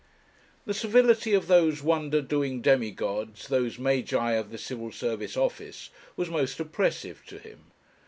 The civility of those wonder doing demigods those Magi of the Civil Service office was most oppressive to him.